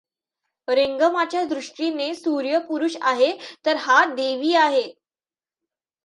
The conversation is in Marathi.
रेंगमाच्या दृष्टीने सूर्य पुरुष आहे तर हा देवी आहे.